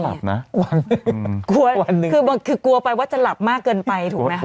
กลัววันหนึ่งคือกลัวไปว่าจะหลับมากเกินไปถูกไหมคะ